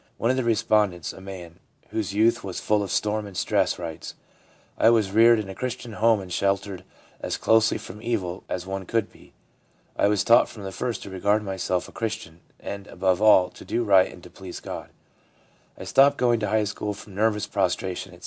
One of the respondents, a man whose youth was full of storm and stress, writes :' I was reared in a Christian home and sheltered as closely from evil as one could be. I was taught from the first to regard myself a Christian, and, above all, to do right and to please God. I stopped going to high school from nervous prostration at 16.